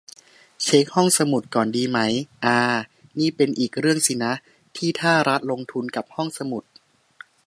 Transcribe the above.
เช็คห้องสมุดก่อนดีไหม อา นี่เป็นอีกเรื่องสินะ ที่ถ้ารัฐลงทุนกับห้องสมุด